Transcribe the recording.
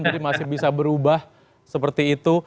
jadi masih bisa berubah seperti itu